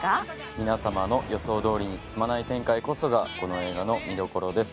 皆さまの予想通りに進まない展開こそがこの映画の見どころです。